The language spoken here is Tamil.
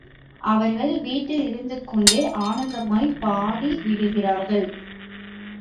அவர்கள் வீட்டில் இருந்துகொண்டே ஆனந்தமாய்ப் பாடிவிடுகிறார்கள்.